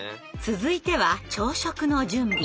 続いては朝食の準備。